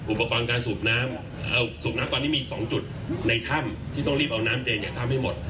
อุปกรณ์การสูบน้ำสูบน้ำตอนนี้มี๒จุดในถ้ำที่ต้องรีบเอาน้ำเดินถ้ำให้หมด